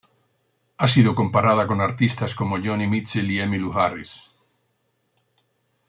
Ha sido comparada con artistas como Joni Mitchell y Emmylou Harris.